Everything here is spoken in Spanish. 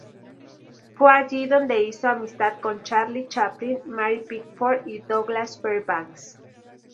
Fue allí donde hizo amistad con Charlie Chaplin, Mary Pickford, y Douglas Fairbanks.